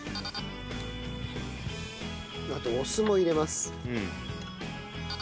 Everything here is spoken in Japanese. あとお酢も入れます。